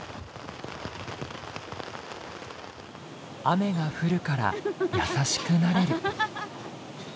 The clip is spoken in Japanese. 雨が降るから優しくなれる。